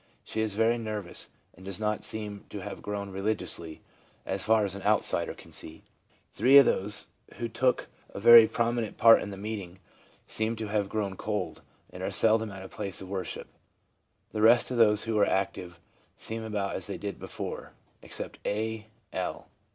She is very nervous, and doesn't seem to have grown religiously, as far as an outsider can see. Three of those who took a very prominent part in the meeting seem to have grown cold, and are seldom at a place of worship. The rest of those who were active seem about as they did before, except A L